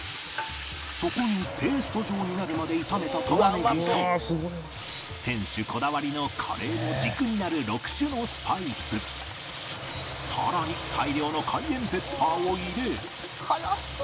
そこにペースト状になるまで炒めた玉ねぎと店主こだわりのカレーの軸になる６種のスパイスさらに大量のカイエンペッパーを入れ「辛そう」